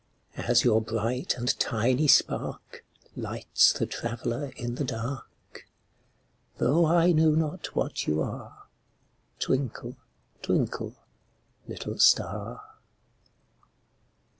As your bright and tiny spark Lights the traveler in the dark, Though I know not what you are, Twinkle, twinkle, little star.